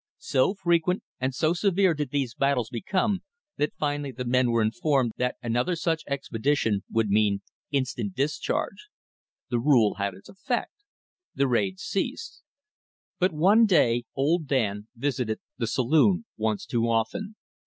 So frequent and so severe did these battles become that finally the men were informed that another such expedition would mean instant discharge. The rule had its effect. The raids ceased. But one day old Dan visited the saloon once too often.